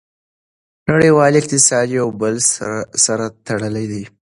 نړیوال اقتصاد یو بل سره تړلی دی.